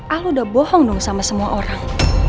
al udah bohong dong sama semua orang